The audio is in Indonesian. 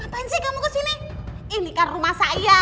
ngapain sih kamu kesini ini kan rumah saya